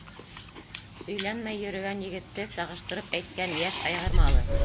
Өйләнмәй йөрөгән егетте сағыштырып әйткән йәш айғыр малы.